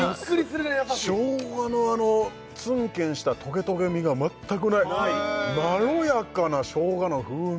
生姜のツンケンしたトゲトゲみが全くないまろやかな生姜の風味！